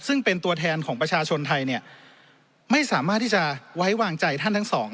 ซึ่งเป็นตัวแทนของประชาชนไทยเนี่ยไม่สามารถที่จะไว้วางใจท่านทั้งสอง